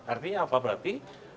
artinya apa berarti